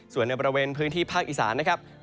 ส่วนในบริเวณพื้นที่ภาคอีสานนะครับ